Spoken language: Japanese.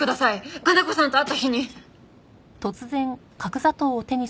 加奈子さんと会った日に！